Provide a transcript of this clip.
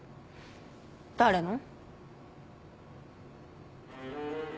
誰の？